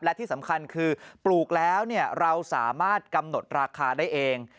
และที่สำคัญคือปลูกแล้วเราสามารถกำหนดราคาได้เอง